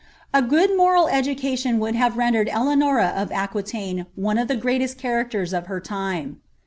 A good moral education would have ivadami Eleanora of Aquitaine one of the greatest characters of her tinte.